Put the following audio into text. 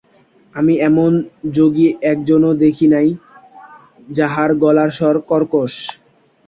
আমি এমন যোগী একজনও দেখি নাই, যাঁহার গলার স্বর কর্কশ।